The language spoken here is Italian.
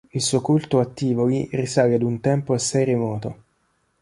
Il suo culto a Tivoli risale ad un tempo assai remoto.